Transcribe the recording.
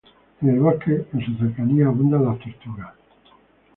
En el bosque en sus cercanías abundan las tortugas.